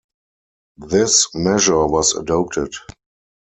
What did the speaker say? This measure was adopted.